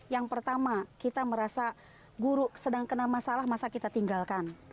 yang pertama kita merasa guru sedang kena masalah masa kita tinggalkan